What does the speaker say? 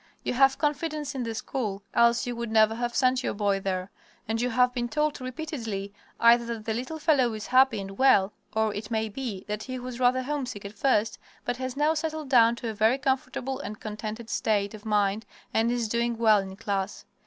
You have confidence in the school, else you would never have sent your boy there; and you have been told repeatedly either that the little fellow is happy and well or, it may be, that he was rather homesick at first, but has now settled down to a very comfortable and contented state of mind and is doing well in class.